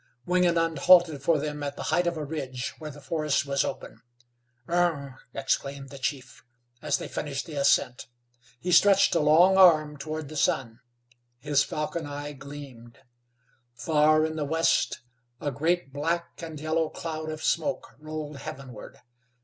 Wingenund halted for them at the height of a ridge where the forest was open. "Ugh!" exclaimed the chieftain, as they finished the ascent. He stretched a long arm toward the sun; his falcon eye gleamed. Far in the west a great black and yellow cloud of smoke rolled heavenward.